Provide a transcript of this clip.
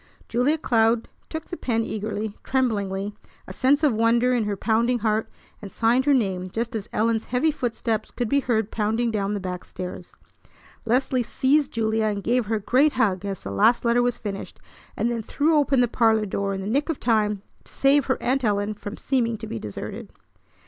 Julia Cloud took the pen eagerly, tremblingly, a sense of wonder in her pounding heart, and signed her name just as Ellen's heavy footsteps could be heard pounding down the back stairs. Leslie seized Julia, and gave her a great hug as the last letter was finished, and then threw open the parlor door in the nick of time to save her Aunt Ellen from seeming to be deserted.